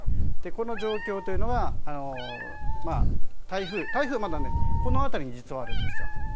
この状況というのは台風はこの辺りに実はあるんですよ。